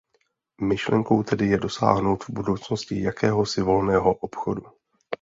Myšlenkou tedy je dosáhnout v budoucnosti jakéhosi volného obchodu.